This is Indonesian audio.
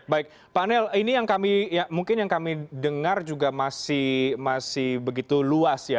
baik pak nel ini yang kami mungkin yang kami dengar juga masih begitu luas ya